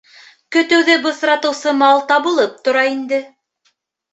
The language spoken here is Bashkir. Көтөүҙе бысратыусы мал табылып тора инде.